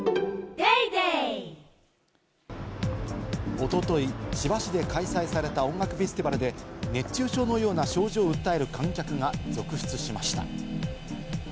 おととい、千葉市で開催された音楽フェスティバルで熱中症のような症状を訴える観客が続出しました。